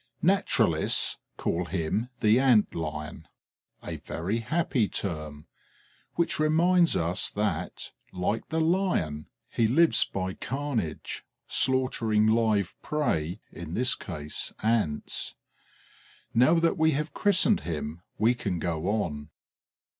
Naturalists call him the Ant lion, a very happy term, which reminds us that, like the Lion, he lives by carnage, slaughtering live prey, in this case Ants. Now that we have christened him we can go on.